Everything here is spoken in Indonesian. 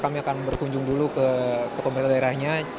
kami akan berkunjung dulu ke pemerintah daerahnya